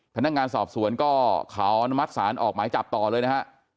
พนักงานสอบสวนก็ขออนุมัติศาลออกหมายจับต่อเลยนะครับ